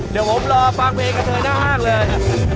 เดี๋ยวผมรอฟางเวทกับเธอหน้าห้างเลย